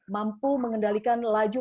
mampu mengendalikan laju